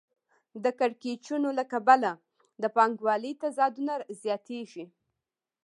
د کړکېچونو له کبله د پانګوالۍ تضادونه زیاتېږي